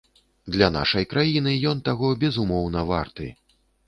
Для нашай краіны ён таго, безумоўна, варты.